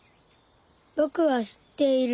ぼくは知っている。